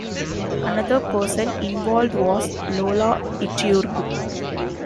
Another person involved was Lola Iturbe.